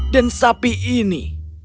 dan sapi ini